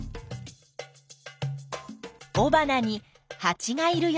おばなにハチがいるよ。